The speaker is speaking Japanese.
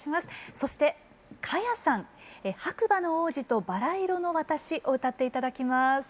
そして花耶さん「白馬の王子と薔薇色の私」を歌って頂きます。